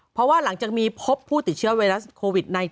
เพราะว่าหลังจากมีพบผู้ติดเชื้อไวรัสโควิด๑๙